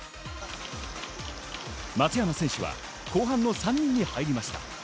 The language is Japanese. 松山選手は後半の３人に入りました。